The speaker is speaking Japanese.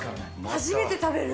初めて食べる。